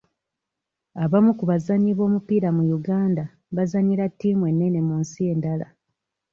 Abamu ku bazannyi b'omupiira mu Uganda bazannyira ttiimu ennene mu nsi endala.